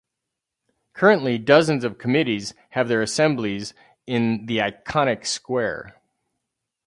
Currently, dozens of committees have their assemblies in the iconic square.